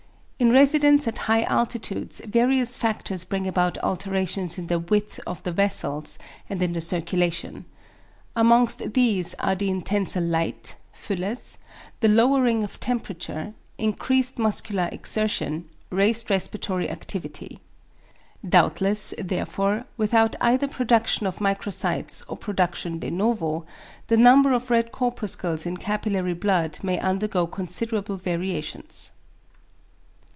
In residence at high altitudes various factors bring about alterations in the width of the vessels and in the circulation. Amongst these are the intenser light (Fülles), the lowering of temperature, increased muscular exertion, raised respiratory activity. Doubtless, therefore, without either production of microcytes or production de novo, the number of red corpuscles in capillary blood may undergo considerable variations.